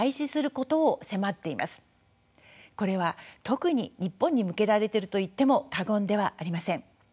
これは特に日本に向けられていると言っても過言ではありません。